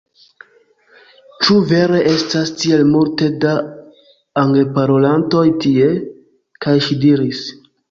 "Ĉu vere estas tiel multe da Angleparolantoj tie?" kaj ŝi diris: